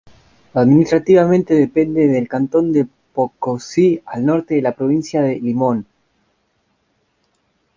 Administrativamente depende del Cantón de Pococí, al norte de la Provincia de Limón.